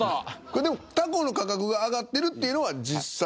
これでもタコの価格が上がってるっていうのは実際。